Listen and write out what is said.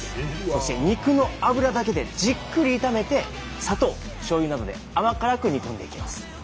そして肉の脂だけでじっくり炒めて砂糖しょうゆなどで甘辛く煮込んでいきます。